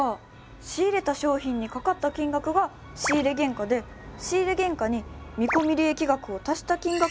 仕入れた商品にかかった金額が仕入原価で仕入原価に見込利益額を足した金額が予定売価なんだ。